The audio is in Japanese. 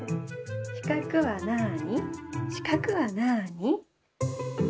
「しかくはなあにしかくはなあに」。